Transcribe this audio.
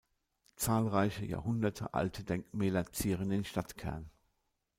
Zahlreiche jahrhundertealte Denkmäler zieren den Stadtkern.